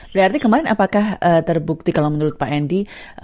berarti kemarin apakah terbukti kalau menurut pak hendy